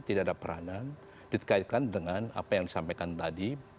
tidak ada peranan dikaitkan dengan apa yang disampaikan tadi